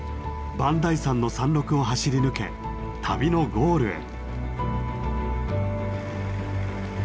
磐梯山の山麓を走り抜け旅のゴールへ。